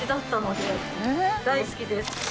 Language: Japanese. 大好きです。